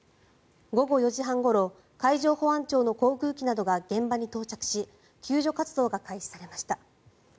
午後４時半ごろ海上保安庁の航空機などが現場に到着し救助活動が開始されました。